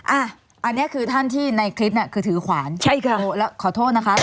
อันนี้คือท่านที่ในคลิปน่ะคือถือขวานใช่คือแล้วขอโทษนะคะ